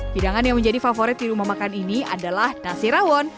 hidangan yang menjadi favorit di rumah makan ini adalah nasi rawon